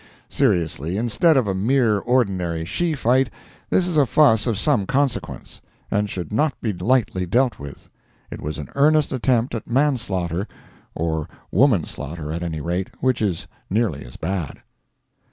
Seriously, instead of a mere ordinary she fight, this is a fuss of some consequence, and should not be lightly dealt with. It was an earnest attempt at manslaughter—or woman slaughter, at any rate, which is nearly as bad.